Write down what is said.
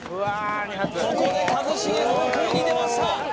ここで一茂猛攻に出ました